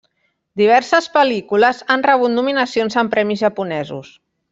Diverses pel·lícules han rebut nominacions en premis japonesos.